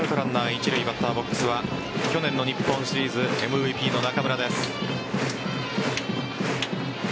一塁バッターボックスは去年の日本シリーズＭＶＰの中村です。